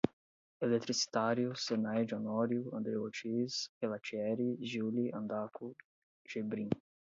Eletricitários, Zenaide Honório, Andreu Ortiz, Pelatieri, Giuli, Andaku, Gebrim